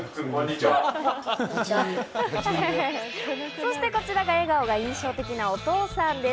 そしてこちらが、笑顔が印象的な、お父さんです。